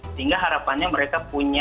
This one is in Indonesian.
sehingga harapannya mereka punya